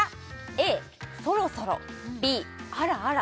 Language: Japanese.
ＡそろそろＢあらあら